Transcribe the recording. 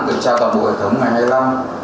để trao toàn bộ hệ thống ngày hai mươi năm